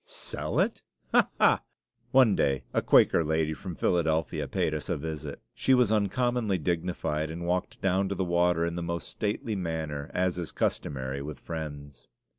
"Sell it? Ha! ha!" One day a Quaker lady from Philadelphia paid us a visit. She was uncommonly dignified, and walked down to the water in the most stately manner, as is customary with Friends.